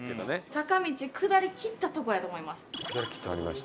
坂道下りきったとこやと思います。